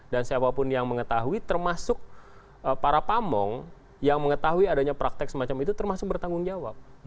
dan siapapun yang mengetahui termasuk para pamong yang mengetahui adanya praktek semacam itu termasuk bertanggung jawab